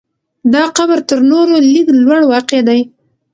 دا قبر تر نورو لږ لوړ واقع دی.